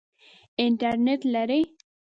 انټرنټ لرئ؟